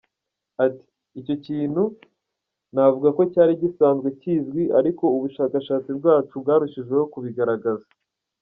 Ati “Icyo ni ikintu navuga ko cyari gisanzwe kizwi, ariko ubushakashatsi bwacu bwarushijeho kubigaragaza.